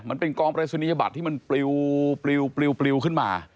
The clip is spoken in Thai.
มันเป็นกองปรายศนียบัตรที่มันปลิวขึ้นมา